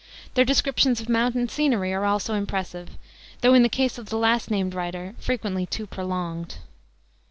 Their descriptions of mountain scenery are also impressive, though, in the case of the last named writer, frequently too prolonged.